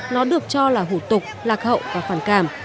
nó được cho là hủ tục lạc hậu và phản cảm